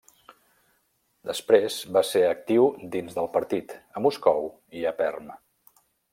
Després, va ser actiu dins del partit, a Moscou i a Perm.